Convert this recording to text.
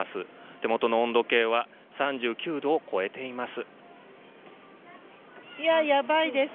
手元の温度計は３９度を超えています。